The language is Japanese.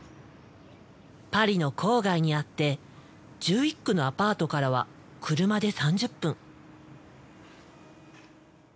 パリの郊外にあって１１区のアパートからは車で３０分。